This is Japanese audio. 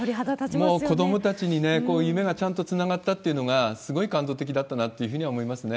もう子どもたちにね、夢がちゃんとつながったというのが、すごい感動的だったなっていうふうには思いますね。